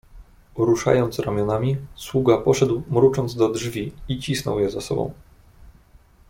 "Ruszając ramionami, sługa poszedł mrucząc do drzwi i cisnął je za sobą."